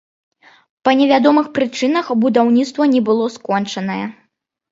Па невядомых прычынах будаўніцтва не было скончанае.